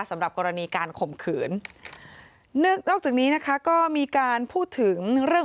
สำหรับกรณีการข่มขืนนอกจากนี้นะคะก็มีการพูดถึงเรื่อง